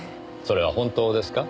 それは本当ですか？